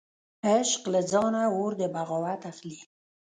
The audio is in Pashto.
عشق له ځانه اور د بغاوت اخلي